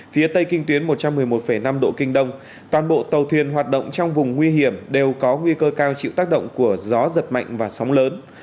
phía tây kinh tuyến một trăm một mươi một năm độ kinh đông toàn bộ tàu thuyền hoạt động trong vùng nguy hiểm đều có nguy cơ cao chịu tác động của gió giật mạnh và sóng lớn